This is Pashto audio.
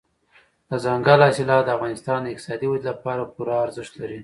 دځنګل حاصلات د افغانستان د اقتصادي ودې لپاره پوره ارزښت لري.